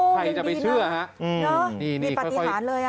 ใครจะไปเชื่อฮะมีปฏิหารเลย